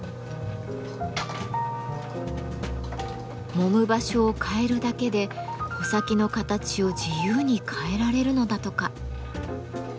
もむ場所を変えるだけで穂先の形を自由に変えられるのだとか。